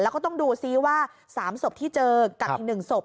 แล้วก็ต้องดูซิว่า๓ศพที่เจอกับอีก๑ศพ